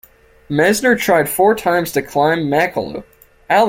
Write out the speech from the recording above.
Messner tried four times to climb Makalu.